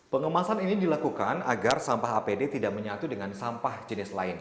pengemasan ini dilakukan agar sampah apd tidak menyatu dengan sampah jenis lain